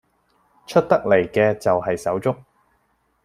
出得嚟嘅就係手足